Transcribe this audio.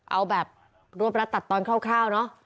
เอาแบบรวบรัดตัดตอนคร่าวเนอะ